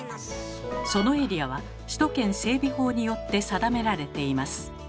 そのエリアは首都圏整備法によって定められています。